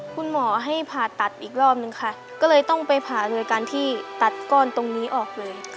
คุณหมอให้ผ่าตัดอีกรอบนึงค่ะก็เลยต้องไปผ่าโดยการที่ตัดก้อนตรงนี้ออกเลย